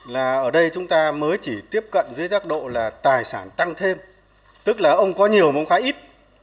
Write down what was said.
là ở đây chúng ta mới chỉ tiếp cận dưới giác độ là tài sản tăng thêm tức là ông có nhiều ông khá ít